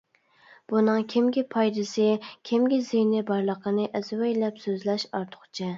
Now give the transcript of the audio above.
بۇنىڭ كىمگە پايدىسى، كىمگە زىيىنى بارلىقىنى ئەزۋەيلەپ سۆزلەش ئارتۇقچە.